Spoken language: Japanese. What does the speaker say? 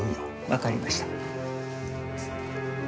わかりました。